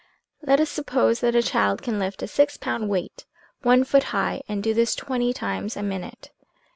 Let us suppose that a child can lift a six pound weight one foot high and do this twenty times a minute.